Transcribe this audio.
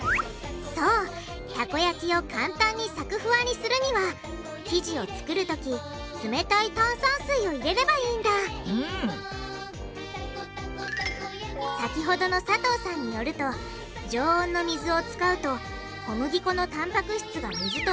そうたこ焼きを簡単にサクフワにするには生地を作るときつめたい炭酸水を入れればいいんだ先ほどの佐藤さんによると常温の水を使うと小麦粉のたんぱく質が水と結び付きやすい。